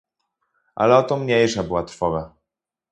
"Ale o to mniejsza była trwoga."